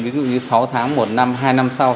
ví dụ như sáu tháng một năm hai năm sau